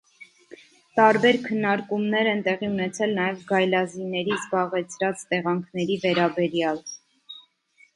Տարբեր քննարկումներ են տեղի ունեցել նաև գայլազիների զբաղեցրած տեղանքների վերաբերյալ։